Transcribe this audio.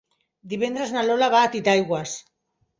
Divendres na Lola va a Titaigües.